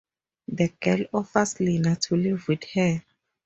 The girl offers Lena to live with her.